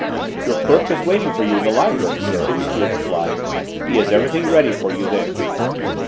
"Your clerk is waiting for you in the library, sir," the steward replied. "He has everything ready for you there."